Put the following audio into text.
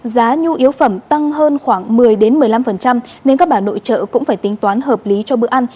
giá nhu yếu phẩm tăng hơn khoảng một mươi một mươi năm nên các bà nội trợ cũng phải tính toán hợp lý cho bữa ăn